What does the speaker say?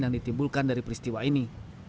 yang ditimbulkan dari peristiwa ini